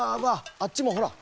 あっちもほら。